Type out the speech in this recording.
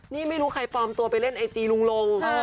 นี่ไม่รู้ใครปลอมตัวไปเล่นไอจีลุงลง